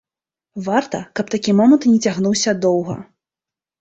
Варта, каб такі момант не цягнуўся доўга.